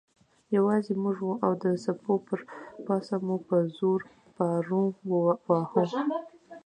یوازې موږ وو او د څپو پر پاسه مو په زور پارو واهه.